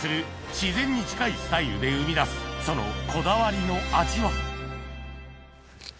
自然に近いスタイルで生み出すそのこだわりの味は？